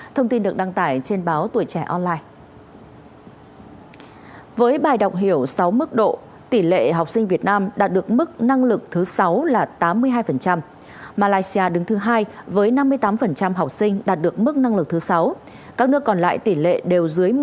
thông tin được đăng tải trên báo tuổi trẻ online